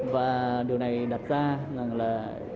và điều này đặt ra là